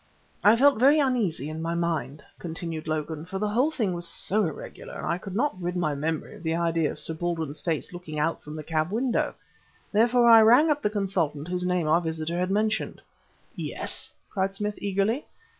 "I felt very uneasy in my mind," continued Logan, "for the whole thing was so irregular, and I could not rid my memory of the idea of Sir Baldwin's face looking out from the cab window. Therefore I rang up the consultant whose name our visitor had mentioned." "Yes?" cried Smith eagerly.